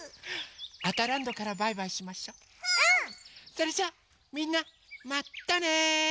それじゃあみんなまたね！